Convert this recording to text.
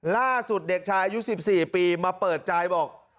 ล่าสุดเด็กชายุ้น๑๔ปีมาเปิดใจบอก